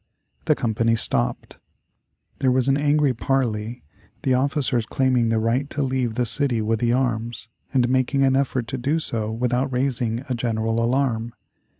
The company stopped. There was an angry parley, the officers claiming the right to leave the city with the arms, and making an effort to do so without raising a general alarm.